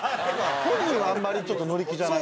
本人はあんまりちょっと乗り気じゃない。